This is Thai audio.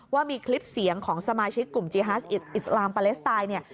ว่ามีคลิปเสียงของสมาชิกกลุ่มจีฮัสอิสลามปาเลสไตน์เนี่ย